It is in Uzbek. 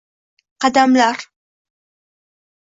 Qadamlar